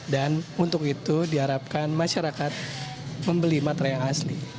dan untuk itu diharapkan masyarakat membeli materai yang asli